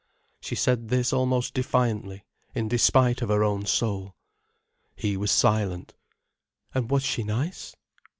She said this almost defiantly, in despite of her own soul. He was silent. "And was she nice?"